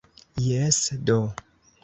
Jes do!